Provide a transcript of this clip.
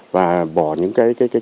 và bỏ những